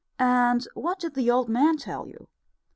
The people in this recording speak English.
"And what did the old man tell you?"